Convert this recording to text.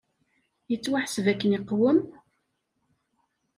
Yettwaḥseb akken iqwem!